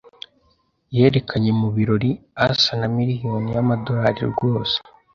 Yerekanye mu birori asa na miliyoni y'amadolari rwose